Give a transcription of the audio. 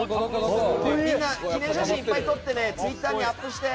みんな記念写真を撮ってツイッターにアップして！